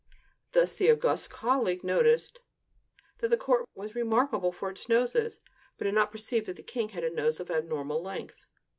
Thus the august colleague noticed that the court was remarkable for its noses, but did not perceive that the king had a nose of abnormal length.